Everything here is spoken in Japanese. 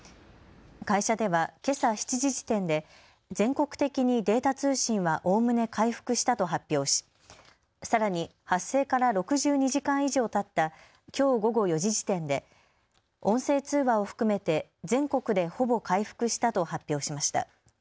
会社ではけさ７時時点で全国的にデータ通信はおおむね回復したと発表し、さらに発生から６２時間以上たったきょう午後４時時点で音声通話を含めて全国でほぼ回復したと発表しました。